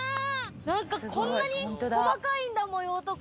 何かこんなに細かいんだ模様とか。